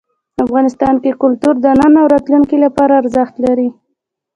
افغانستان کې کلتور د نن او راتلونکي لپاره ارزښت لري.